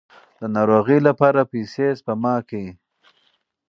د ناروغۍ لپاره پیسې سپما کړئ.